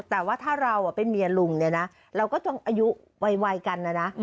แต่ว่าถ้าเราเป็นเมียลุงเนี่ยนะเราก็ต้องอายุไวกันนะนะ